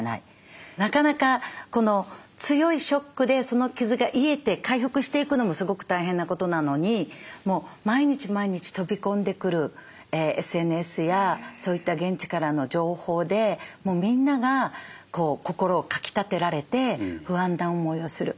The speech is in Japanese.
なかなかこの強いショックでその傷が癒えて回復していくのもすごく大変なことなのにもう毎日毎日飛び込んでくるＳＮＳやそういった現地からの情報でもうみんなが心をかきたてられて不安な思いをする。